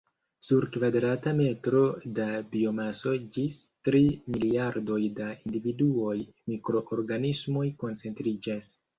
Sur kvadrata metro da biomaso ĝis tri miliardoj da individuaj mikroorganismoj koncentriĝas.